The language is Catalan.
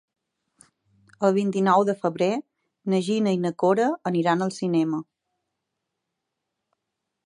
El vint-i-nou de febrer na Gina i na Cora aniran al cinema.